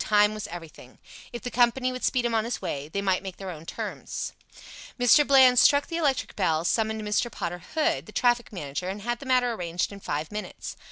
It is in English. Time was everything. If the company would speed him on his way, they might make their own terms. Mr. Bland struck the electric bell, summoned Mr. Potter Hood, the traffic manager, and had the matter arranged in five minutes.